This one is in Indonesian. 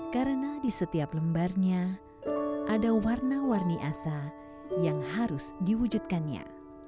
karena di setiap lembarnya ada warna warni asa yang harus diwujudkannya